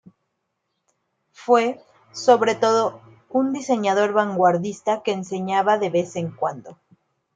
Fue, sobre todo, un diseñador vanguardista que enseñaba de vez en cuando.